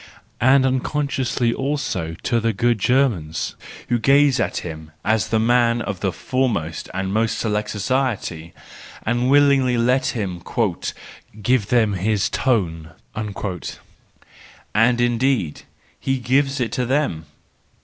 And unconsciously also to the good Germans, who gaze at him as the man of the foremost and most select society, and willingly let him " give them his tone." And indeed he gives it to them!